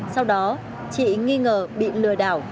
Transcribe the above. sau đó chị nghi ngờ bị lừa đảo